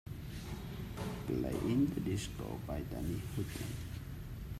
play In The Disco by Danny Hutton